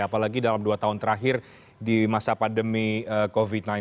apalagi dalam dua tahun terakhir di masa pandemi covid sembilan belas